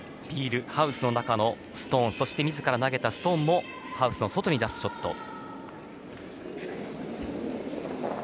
ピールハウスの中のストーンそしてみずから投げたストーンもハウスの外に出すショット。